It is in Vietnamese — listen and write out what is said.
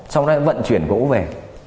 sau đó vận chuyển gỗ về